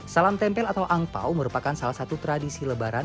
salam tempel atau angpau merupakan salah satu tradisi lebaran